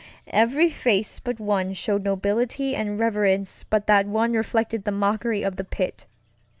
Every face but one showed nobility and reverence, but that one reflected the mockery of the pit.